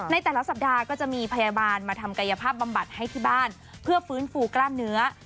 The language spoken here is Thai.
ในแต่ละสัปดาห์ก็จะมีพยาบาลมาทำกายภาพบำบัดให้ที่บ้านเพื่อฟื้นฟูกล้ามเนื้อ